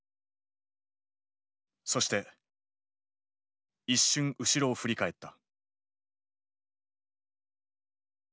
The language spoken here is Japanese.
そして一瞬後ろを振り返った。